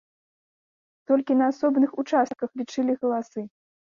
Толькі на асобных участках лічылі галасы.